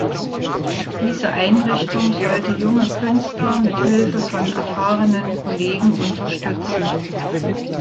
Diese Einrichtung sollte junge Künstler mit Hilfe von erfahrenen Kollegen unterstützen.